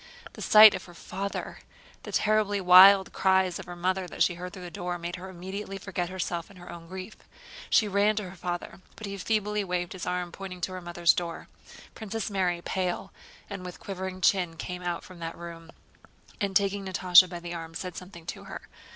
The sight of her father, the terribly wild cries of her mother that she heard through the door, made her immediately forget herself and her own grief. She ran to her father, but he feebly waved his arm, pointing to her mother's door. Princess Mary, pale and with quivering chin, came out from that room and taking Natásha by the arm said something to her.